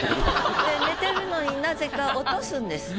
で寝てるのになぜか落とすんです。